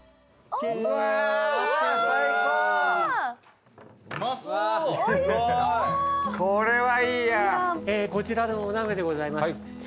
こちらのお鍋しし鍋でございます。